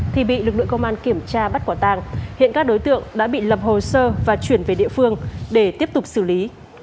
khi kiểm tra bắt quả tăng hiện các đối tượng đã bị lập hồ sơ và chuyển về địa phương để tiếp tục xử lý